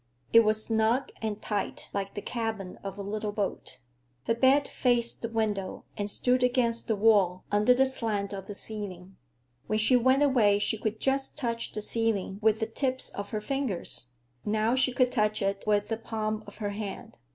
It was snug and tight, like the cabin of a little boat. Her bed faced the window and stood against the wall, under the slant of the ceiling. When she went away she could just touch the ceiling with the tips of her fingers; now she could touch it with the palm of her hand.